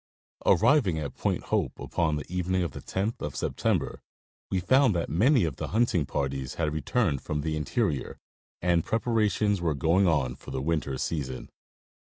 Arriving at Point Hope upon the evening of the 10th of September, we found that many of the hunting parties had returned from the interior, and prepar ations were going on for the winter season.